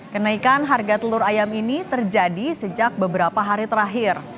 kenaikan harga telur ayam ini terjadi sejak beberapa hari terakhir